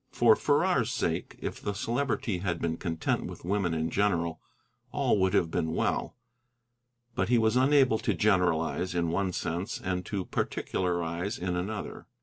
For Farrar's sake, if the Celebrity had been content with women in general, all would have been well; but he was unable to generalize, in one sense, and to particularize, in another.